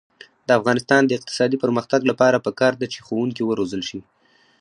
د افغانستان د اقتصادي پرمختګ لپاره پکار ده چې ښوونکي وروزل شي.